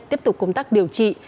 tiếp tục công tác điều trị